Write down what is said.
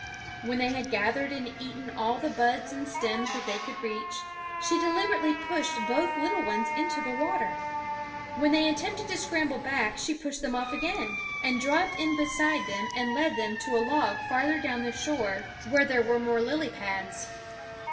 When they had gathered and eaten all the buds and stems that they could reach, she deliberately pushed both little ones into the water. When they attempted to scramble back she pushed them off again, and dropped in beside them and led them to a log farther down the shore, where there were more lily pads.